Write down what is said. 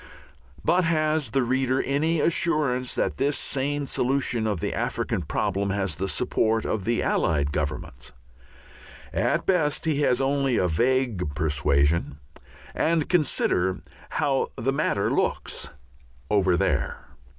But has the reader any assurance that this sane solution of the African problem has the support of the Allied Governments? At best he has only a vague persuasion. And consider how the matter looks "over there."